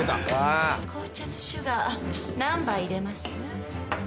「紅茶のシュガー何杯入れます？」